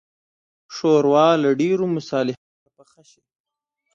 ښوروا له ډېرو مصالحو سره پخه شي.